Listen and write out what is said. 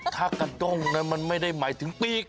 ถ้ากระด้งนั้นมันไม่ได้หมายถึงปีก